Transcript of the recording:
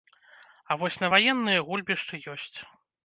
А вось на ваенныя гульбішчы ёсць.